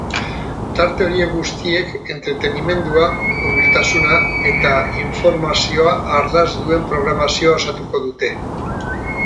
Tarte horiek guztiek entretenimendua, hurbiltasuna eta informazioa ardatz duen programazioa osatuko dute.